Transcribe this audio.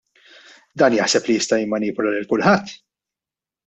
Dan jaħseb li jista' jimmanipula lil kulħadd?